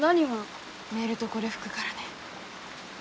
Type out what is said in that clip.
寝るとこれ吹くからね。